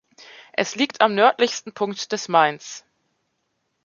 Es liegt am nördlichsten Punkt des Mains.